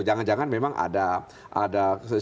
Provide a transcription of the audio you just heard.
jangan jangan memang ada situasi di